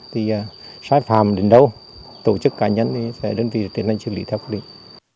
thì sai phạm đến đâu tổ chức cá nhân thì sẽ đơn vị tiến hành xử lý theo quy định